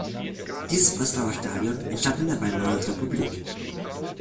Dieses Breslauer Stadion entstand in der Weimarer Republik.